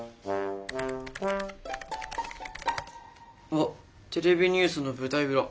あっ「テレビニュースの舞台裏」。